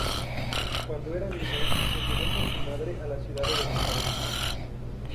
Cuando era niño se mudó con su madre a la Ciudad de Buenos Aires.